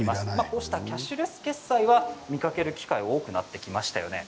こうしたキャッシュレス決済は見かける機会多くなってきましたよね。